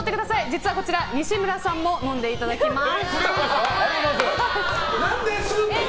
実は西村さんも飲んでいただきます。